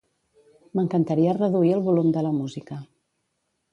M'encantaria reduir el volum de la música.